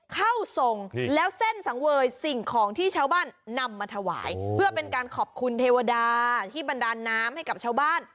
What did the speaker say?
เข้าทรงแล้วเส้นสังเวยสิ่งของที่ชาวบ้านนำมาถวายเพื่อเป็นการขอบคุณเทวดาที่บันดาลน้ำให้กับชาวบ้าน